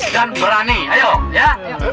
dan berani ayo